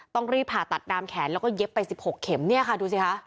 ต้องรีบผ่าตัดดามแขนแล้วก็เย็บไป๑๖เข็มเนี่ยค่ะดูสิคะ